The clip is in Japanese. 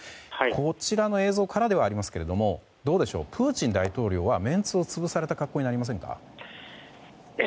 こちらの映像からではありますけれどプーチン大統領はメンツを潰された格好になりませんか？